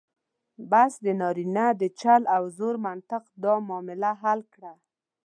بس د نارینه د چل او زور منطق دا معادله حل کړه.